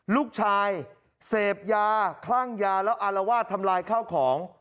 ลูกชายเสพยาคลั่งยาแล้วอารวาสทำลายข้าวของ